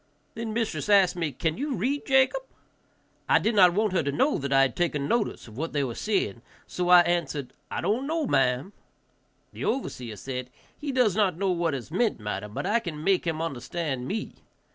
Then mistress asked me, "Can you read, Jacob?" I did not want her to know that I had taken notice of what they were saying, so I answered, "I don't know, ma'am." The overseer said, "He does not know what is meant, madam, but I can make him understand me."